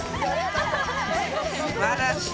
すばらしい。